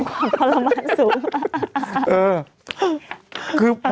ความทรมานสูง